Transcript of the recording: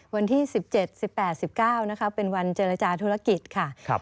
วันที่๑๗๑๘๑๙นะคะเป็นวันเจรจาธุรกิจค่ะ